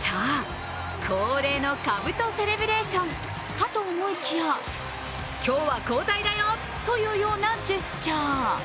さあ、恒例のかぶとセレブレーションかと思いきや、今日は交代だよというようなジェスチャー。